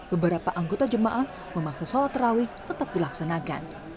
beberapa anggota jemaah memaksa sholat terawih tetap dilaksanakan